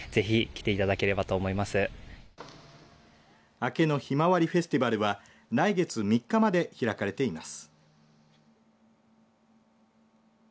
あけのひまわりフェスティバルは来月３日まで開かれています。